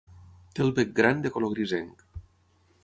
Té el bec gran de color grisenc.